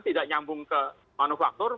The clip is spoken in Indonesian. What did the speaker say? tidak nyambung ke manufaktur